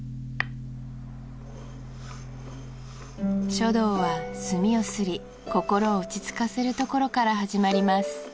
書道は墨をすり心を落ち着かせるところから始まります